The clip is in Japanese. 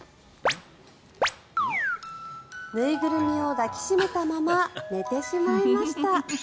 縫いぐるみを抱き締めたまま寝てしまいました。